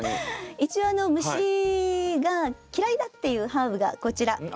一応虫が嫌いだっていうハーブがこちらなんですね。